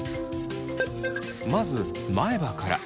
まず前歯から。